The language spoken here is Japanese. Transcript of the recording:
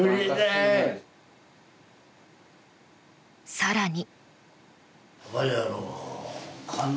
更に。